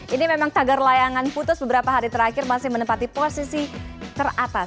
ini memang tagar layangan putus beberapa hari terakhir masih menempati posisi teratas